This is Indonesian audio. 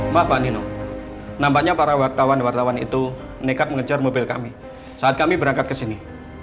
maaf pak nino nampaknya para wartawan wartawan itu nekat mengejar mobil kami saat kami berangkat ke sini